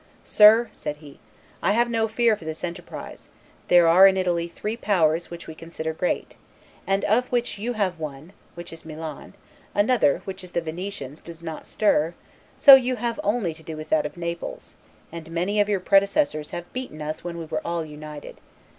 "Sir," said he, "have no fear for this enterprise; there are in Italy three powers which we consider great, and of which you have one, which is Milan; another, which is the Venetians, does not stir; so you have to do only with that of Naples, and many of your predecessors have beaten us when we were all united.